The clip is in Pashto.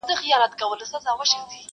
بوډا خپل نکل ته ژاړي نسته غوږ د اورېدلو؛